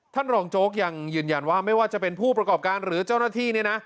รองโจ๊กยังยืนยันว่าไม่ว่าจะเป็นผู้ประกอบการหรือเจ้าหน้าที่เนี่ยนะ